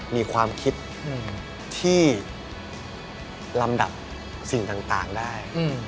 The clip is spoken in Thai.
มีความคิดที่ลำดับสิ่งต่างได้